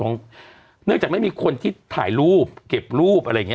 เนื่องจากไม่มีคนที่ถ่ายรูปเก็บรูปอะไรอย่างนี้